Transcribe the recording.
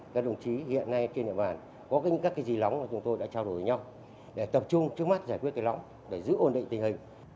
các đồng chí hiện nay trên địa bàn có những các cái gì lóng mà chúng tôi đã trao đổi nhau để tập trung trước mắt giải quyết cái lóng để giữ ổn định tình hình